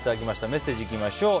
メッセージいきましょう。